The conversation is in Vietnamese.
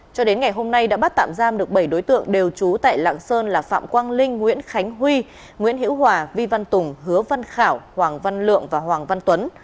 cho đến ngày hôm nay đã bắt tạm giam được bảy đối tượng đều trú tại lạng sơn là phạm quang linh nguyễn khánh huy nguyễn hữu hòa vi văn tùng hứa văn khảo hoàng văn lượng và hoàng văn tuấn